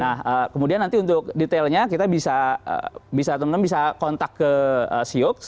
nah kemudian nanti untuk detailnya kita bisa teman teman bisa kontak ke siox